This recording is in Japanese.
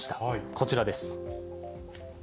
こちらです。